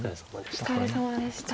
お疲れさまでした。